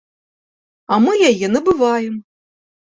А мы яе набываем.